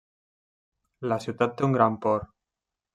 La ciutat té un gran port.